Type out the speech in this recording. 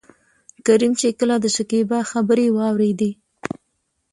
کريم چې کله دشکيبا خبرې واورېدې.